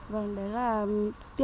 vâng đấy là tiêu chí